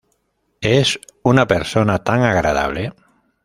Es una persona tan agradable.